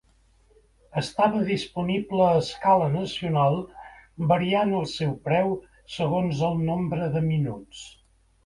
Estava disponible a escala nacional, variant el seu preu segons el nombre de minuts.